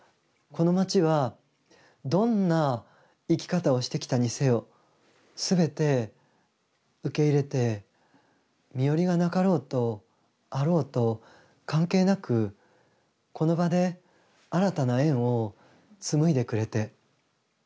この町はどんな生き方をしてきたにせよ全て受け入れて身寄りがなかろうとあろうと関係なくこの場で新たな縁を紡いでくれて。